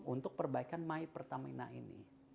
untuk perbaikan my pertamina ini